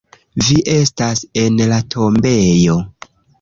Vi estas en la tombejo.